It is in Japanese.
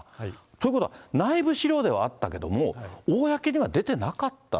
ということは内部資料ではあったけども、公には出てなかった？